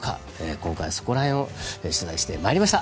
今回はそこら辺を取材してまいりました。